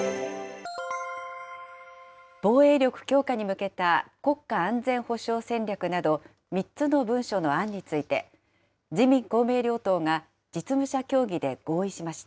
防衛力強化に向けた国家安全保障戦略など３つの文書の案について、自民、公明両党が実務者協議で合意しました。